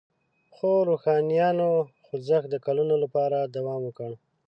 خو روښانیانو خوځښت د کلونو لپاره دوام وکړ.